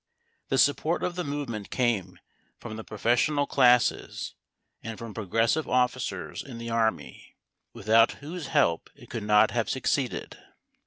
The support of the movement came from the professional classes and from progressive officers in the army, without whose help it could not have succeeded.